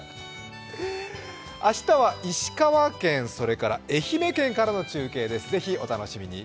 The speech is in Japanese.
明日は石川県、それから愛媛県からの中継です、お楽しみに！